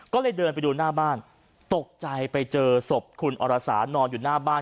ก็เลยเดินไปดูหน้าบ้านตกใจไปเจอศพคุณอรสานอนอยู่หน้าบ้าน